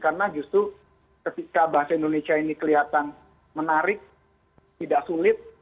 karena justru ketika bahasa indonesia ini kelihatan menarik tidak sulit